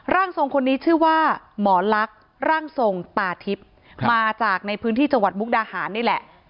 ร่างทรงคนนี้ชื่อว่าหมอลักษณ์ร่างทรงตาทิพย์มาจากในพื้นที่จังหวัดมุกดาหารนี่แหละ